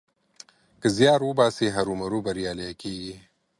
که زيار وباسې؛ هرو مرو بريالی کېږې.